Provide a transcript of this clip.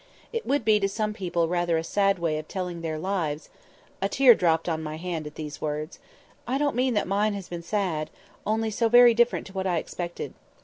It would be to some people rather a sad way of telling their lives," (a tear dropped upon my hand at these words)—"I don't mean that mine has been sad, only so very different to what I expected.